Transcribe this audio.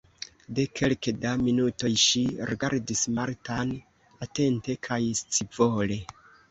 De kelke da minutoj ŝi rigardis Martan atente kaj scivole.